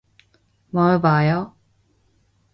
뭘 봐요?